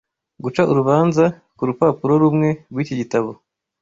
guca urubanza ku rupapuro rumwe rw’iki gitabo